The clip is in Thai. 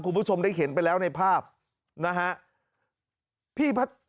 คุณผู้ชมได้เห็นไปแล้วในภาพนะฮะ